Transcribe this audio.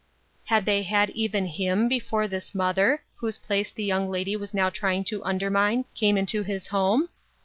" Had they had even him before this mother, whose place the young lady was now trying to undermine, came into his home